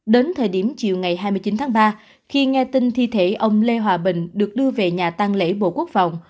đến thời điểm chiều ngày hai mươi chín tháng ba khi nghe tin thi thể ông lê hòa bình được đưa về nhà tăng lễ bộ quốc phòng